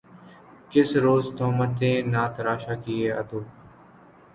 کس روز تہمتیں نہ تراشا کیے عدو